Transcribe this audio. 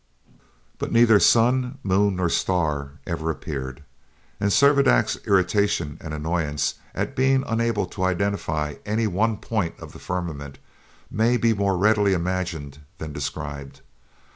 But neither sun, moon, nor star ever appeared; and Servadac's irritation and annoyance at being unable to identify any one point of the firmament may be more readily imagined than described.